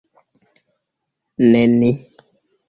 Ne ni.